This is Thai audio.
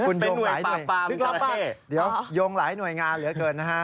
คุณโยงหลายหน่วยเดี๋ยวโยงหลายหน่วยงานเหลือเกินนะฮะ